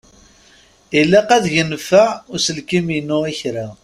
Ilaq ad yenfeɛ uselkim-inu i kra.